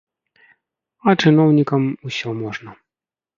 А чыноўнікам усё можна.